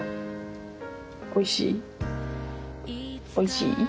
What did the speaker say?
おいしい？